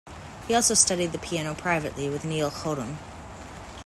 He also studied the piano privately with Neil Chotem.